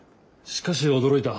しかし驚いた。